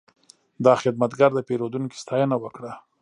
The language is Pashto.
دا خدمتګر د پیرودونکي ستاینه وکړه.